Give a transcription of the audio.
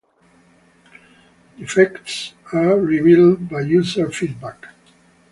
Defects are revealed by user feedback.